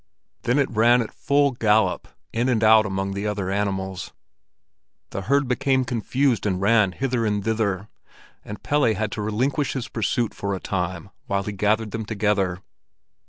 Then it ran at full gallop in and out among the other animals, the herd became confused and ran hither and thither, and Pelle had to relinquish his pursuit for a time while he gathered them together.